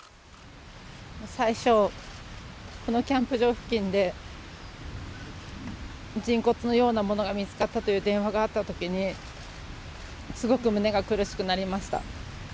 最初、このキャンプ場付近で、人骨のようなものが見つかったという電話があったときに、すごく胸が苦しくなりました。